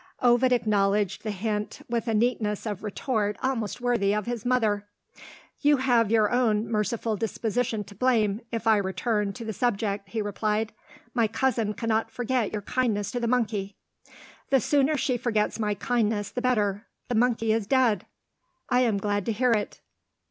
Ovid acknowledged the hint with a neatness of retort almost worthy of his mother. "You have your own merciful disposition to blame, if I return to the subject," he replied. "My cousin cannot forget your kindness to the monkey." "The sooner she forgets my kindness the better. The monkey is dead." "I am glad to hear it."